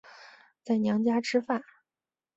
在娘家吃饭